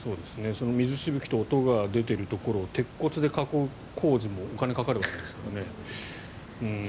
水しぶきと音が出ているところを鉄骨で囲う工事もお金がかかるわけですからね。